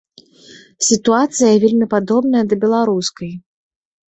Сітуацыя вельмі падобная да беларускай.